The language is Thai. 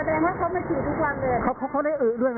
เขามาถืออย่างเงี้ยพอถือประสงค์อะไรของเขาแล้วนะอืม